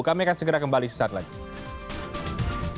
kami akan segera kembali sesaat lagi